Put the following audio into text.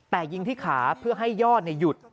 แต่ยิงที่ขาเพื่อให้ยอดหยุด